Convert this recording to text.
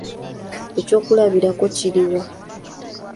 Ekyokulabirako kiri wa?